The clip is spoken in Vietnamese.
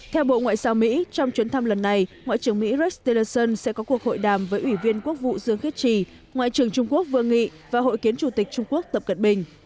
theo bộ ngoại giao mỹ trong chuyến thăm lần này ngoại trưởng mỹ rece sẽ có cuộc hội đàm với ủy viên quốc vụ dương khiết trì ngoại trưởng trung quốc vương nghị và hội kiến chủ tịch trung quốc tập cận bình